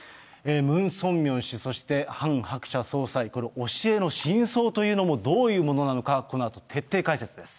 ムン・ソンミョン氏、そしてハン・ハクチャ総裁、教えの真相というのもどういうものなのか、このあと徹底解説です。